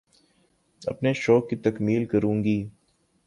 اپنے شوق کی تکمیل کروں گی